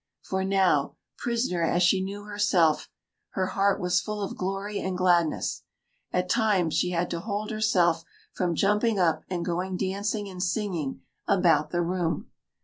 For now, prisoner as she knew herself, her heart was full of glory and gladness; at times she had to hold herself from jumping up and going dancing and singing about the room.